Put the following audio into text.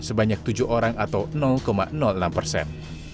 sebanyak tujuh orang atau enam persen